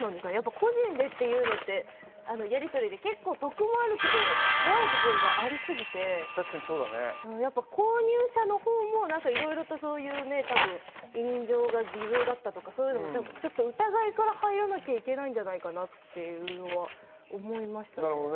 個人でっていうのって、やり取りで結構得もあるけど、怖い部分がありすぎて、購入者のほうも委任状が偽造だったとか、疑いから入らなきゃいけないんじゃないかなっていうのが思いましたね。